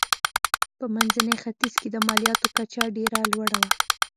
په منځني ختیځ کې د مالیاتو کچه ډېره لوړه وه.